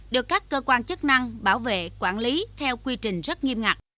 được các cơ quan chức năng bảo vệ quản lý theo quy trình rất nghiêm ngặt